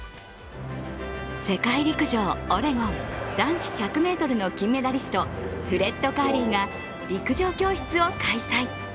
世界陸上オレゴン男子１００ｍの金メダリストフレッド・カーリーが陸上教室を開催。